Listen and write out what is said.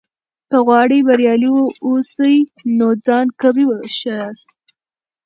که غواړې بریالی واوسې؛ نو ځان قوي وښیاست.